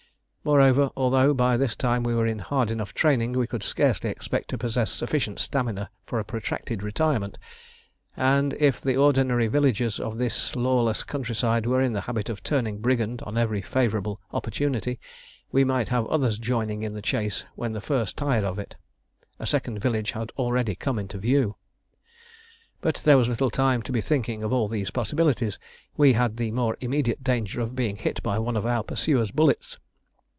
Moreover, although by this time we were in hard enough training, we could scarcely expect to possess sufficient stamina for a protracted retirement; and if the ordinary villagers of this lawless countryside were in the habit of turning brigand on every favourable opportunity, we might have others joining in the chase when the first tired of it: a second village had already come into view. But there was little time to be thinking of all these possibilities; we had the more immediate danger of being hit by one of our pursuers' bullets.